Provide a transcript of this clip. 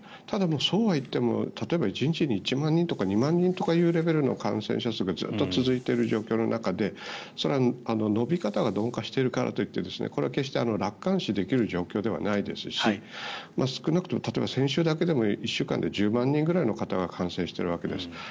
ただ、そうはいっても例えば１日で１万人とか２万人というレベルの感染者数がずっと続いている状況の中で伸び方が鈍化しているからといって決して楽観視できる状況ではないですし少なくとも例えば先週だけでも１週間で１０万人くらいの方が感染しているわけです。